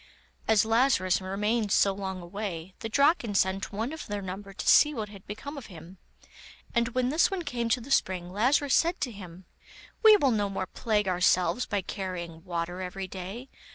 As Lazarus remained so long away, the Draken sent one of their number to see what had become of him, and when this one came to the spring, Lazarus said to him: 'We will no more plague ourselves by carrying water every day.